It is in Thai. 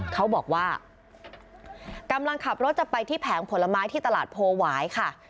เขาบอกว่ากำลังขับรถจะไปที่แผงผลไม้ที่ตลาดโพหวายค่ะ